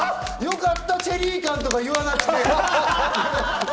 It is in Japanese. よかった、チェリー感とか言わなくて。